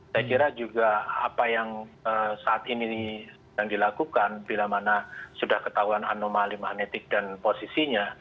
saya kira juga apa yang saat ini sedang dilakukan bila mana sudah ketahuan anomali magnetik dan posisinya